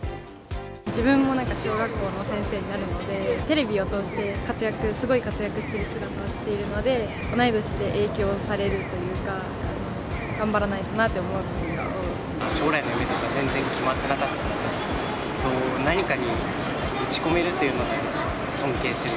自分もなんか小学校の先生になるので、テレビを通して活躍、すごい活躍してる姿を知っているので、同い年で影響されるというか、将来の夢とか、全然決まってなかったので、何かに打ち込めるというのは、やっぱり尊敬できる。